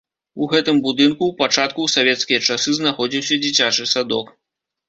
У гэтым будынку ў пачатку ў савецкія часы знаходзіўся дзіцячы садок.